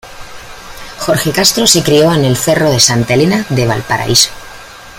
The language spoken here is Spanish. Jorge Castro se crio en el cerro Santa Elena de Valparaíso.